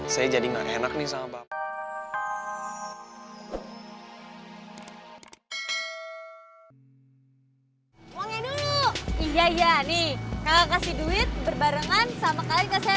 saya jadi gak enak nih sama bapak